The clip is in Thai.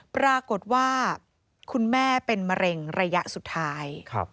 ปรากฏว่าคุณแม่เป็นมะเร็งระยะสุดท้าย